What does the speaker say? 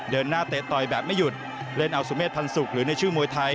เดินหน้าเตะต่อยแบบไม่หยุดเล่นเอาสุเมษพันธ์สุขหรือในชื่อมวยไทย